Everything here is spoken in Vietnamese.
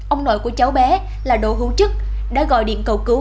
ông nội của cháu bé là đỗ hữu chức đã gọi điện cầu cứu